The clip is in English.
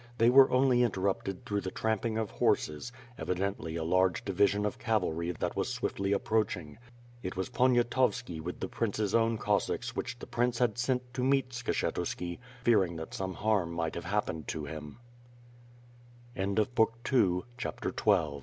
They were only interrupted through the tramping of horses, evidently a large division of cavalry that was swiftly approaching. It was Poniatowski with the prince's own Cossacks which the prince had sent to meet Skshetuski, fearing that some harm might have happene